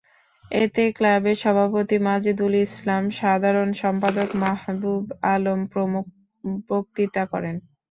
এতে ক্লাবের সভাপতি মাজেদুল ইসলাম, সাধারণ সম্পাদক মাহবুব আলম প্রমুখ বক্তৃতা করেন।